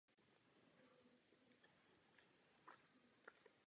Jedinci v populaci jsou rozdělení do skupin na základě své genetické informace.